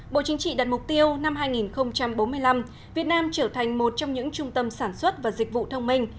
bộ chính trị đặt mục tiêu năm hai nghìn bốn mươi năm việt nam trở thành một trong những trung tâm sản xuất và dịch vụ thông minh